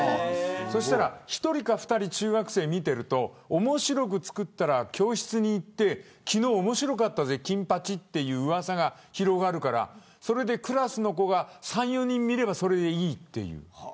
１人か２人、中学生を見ていると面白く作ったら教室で昨日、面白かったぜ金八という、うわさが広がるからそれでクラスの子が３人４人見れば、それでいいという。